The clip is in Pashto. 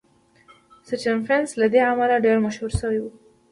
سټېفنس له دې امله ډېر مشهور شوی و